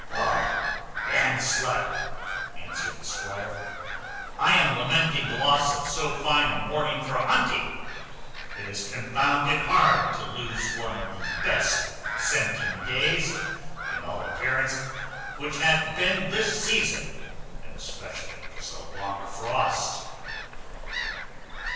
"Pogh! d n the slut!" answered the squire, "I am lamenting the loss of so fine a morning for hunting. It is confounded hard to lose one of the best scenting days, in all appearance, which hath been this season, and especially after so long a frost."